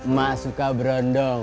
mak suka berondong